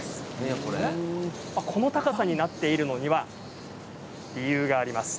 この高さになっているのには理由があります。